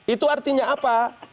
itu artinya apa